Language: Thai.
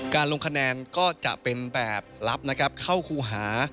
ลงคะแนนก็จะเป็นแบบลับนะครับเข้าครูหา